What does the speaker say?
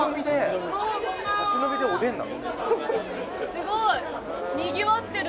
すごい。